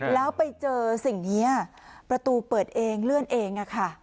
แล้วไปเจอสิ่งนี้ประตูเปิดเองเลื่อนเองค่ะ